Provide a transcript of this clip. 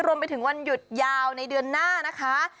รวมไปถึงวันหยุดยาวในเดือนหน้านะคะ